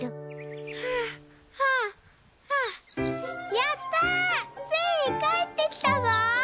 「はあはあはあやったついにかえってきたぞ！」。